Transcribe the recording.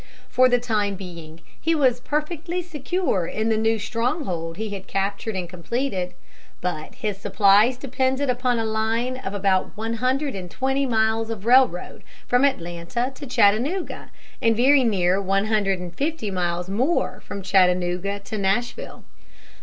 For the time being, he was perfectly secure in the new stronghold he had captured and completed. But his supplies depended upon a line of about one hundred and twenty miles of railroad from Atlanta to Chattanooga, and very near one hundred and fifty miles more from Chattanooga to Nashville.